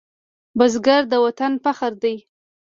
بزګر د وطن فخر دی